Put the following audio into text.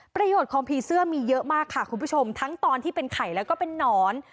ประโยชน์ของผีเสื้อมีเยอะมากค่ะคุณผู้ชมทั้งตอนที่เป็นไข่แล้วก็เป็นนอน